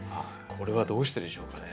これはどうしてでしょうかね？